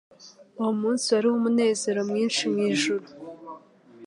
Uwo munsi wari uw'umunezero mwinshi mu ijuru,